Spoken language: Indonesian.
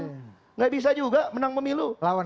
tidak bisa juga menang memilu